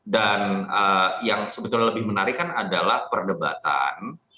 dan yang sebetulnya lebih menarik kan adalah perdebatan